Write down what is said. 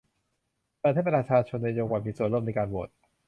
เปิดให้ประชาชนในจังหวัดมีส่วนร่วมในการโหวด